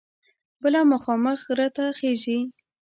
بله مخامخ غره ته خیژي.